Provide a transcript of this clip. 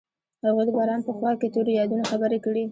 هغوی د باران په خوا کې تیرو یادونو خبرې کړې.